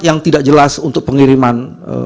yang tidak jelas untuk pengiriman